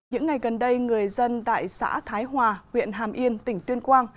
những ngày gần đây người dân tại xã thái hòa huyện hàm yên tỉnh tuyên quang